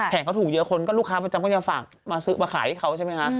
เขาถูกเยอะคนก็ลูกค้าประจำก็จะฝากมาซื้อมาขายให้เขาใช่ไหมคะ